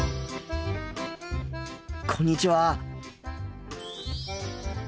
こんにちは。